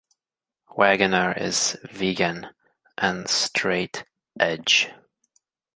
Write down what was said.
Waggoner is vegan and straight edge.